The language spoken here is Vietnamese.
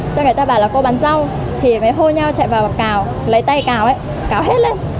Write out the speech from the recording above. cho người ta bảo là cô bắn rau thì mới hô nhau chạy vào bằng cào lấy tay cào ấy cào hết lên